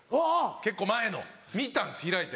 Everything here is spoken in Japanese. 結構前の見たんです開いて。